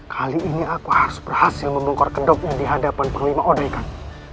kali ini aku harus berhasil membongkar kendoknya di hadapan perlima odaikan